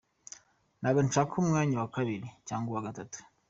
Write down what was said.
Ntabwo nshaka umwanya wa kabiri cyangwa uwa Gatatu".